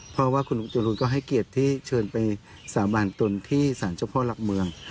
เพราะว่าคุณลุงจรูนก็ให้เกียรติที่เชิญไปสาบานตนที่สารเจ้าพ่อหลักเมือง